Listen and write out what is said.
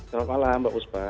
selamat malam mbak uspa